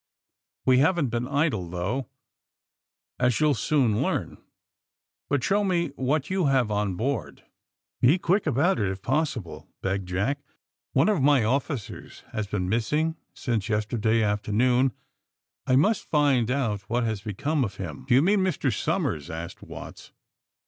*^We haven't been idle, though. AND THE SMUGGLEES 241 as you'll soon learn. But show me what you have on board/' Be quick about it, if possible," begged Jack. One of my officers has been missing since yesterday afternoon. I must find out what has become of him. '' Do you mean Mr. Somers!" asked Watts.